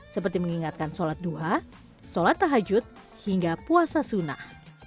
seperti mengingatkan sholat duha sholat tahajud hingga puasa sunnah